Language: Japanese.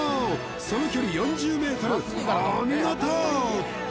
その距離４０ｍお見事！